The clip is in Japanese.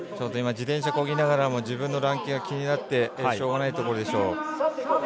自転車こぎながらも自分のランキングが気になってしょうがないところでしょう。